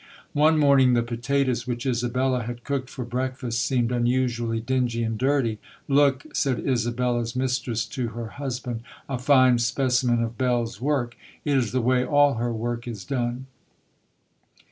One morning the potatoes which Isabella had cooked for breakfast seemed unusually dingy and dirty. "Look!" said Isabella's mistress to her husband, "a fine specimen of Bell's work! It is the way all her work is done!"